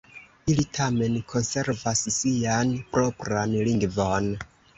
Ili tamen konservas sian propran lingvon.